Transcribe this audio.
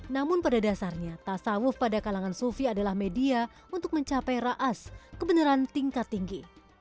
namun pada dasarnya tasawuf pada kalangan sufi adalah media untuk mencapai raas kebenaran tingkat tinggi